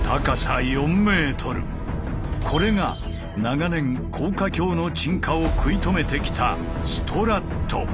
これが長年高架橋の沈下を食い止めてきた